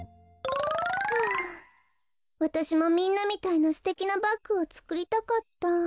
はあわたしもみんなみたいなすてきなバッグをつくりたかった。